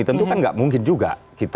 tentu kan enggak mungkin juga